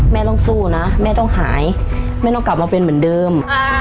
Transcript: ต้องสู้นะแม่ต้องหายแม่ต้องกลับมาเป็นเหมือนเดิม